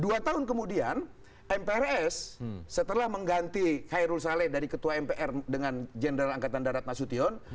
dua tahun kemudian mprs setelah mengganti khairul saleh dari ketua mpr dengan jenderal angkatan darat nasution